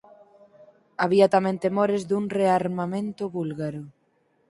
Había tamén temores dun rearmamento búlgaro.